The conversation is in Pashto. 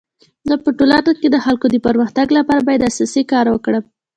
زه په ټولنه کي د خلکو د پرمختګ لپاره باید اساسي کار وکړم.